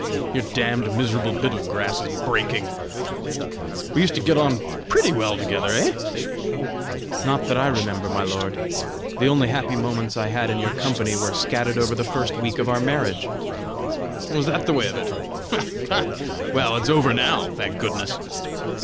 your damned, miserable bit of grass is breaking! We used to get on PRETTY well together eh?" "Not that I remember, my lord. The only happy moments I had in your company were scattered over the first week of our marriage." "Was that the way of it? Ha! ha! Well, it's over now, thank goodness!"